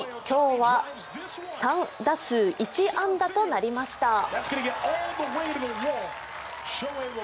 今日は３打数１安打となりました。